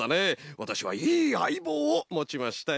わたしはいいあいぼうをもちましたよ。